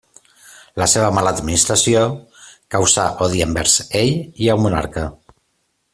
La seva mala administració causà odi envers ell i el monarca.